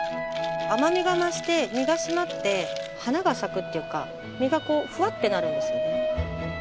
甘みが増して身が締まって花が咲くっていうか身がこうフワッてなるんですよね。